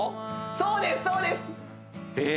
そうですそうです！ええ？